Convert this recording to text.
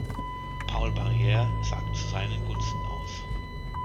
Paul Barriere sagt zu seinen Gunsten aus.